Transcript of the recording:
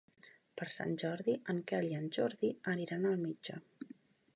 Per Sant Jordi en Quel i en Jordi aniran al metge.